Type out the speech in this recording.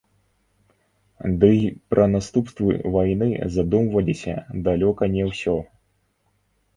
Дый пра наступствы вайны задумваліся далёка не ўсё.